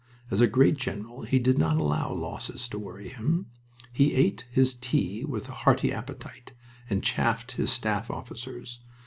As a great general he did not allow losses to worry him. He ate his tea with a hearty appetite, and chaffed his staff officers.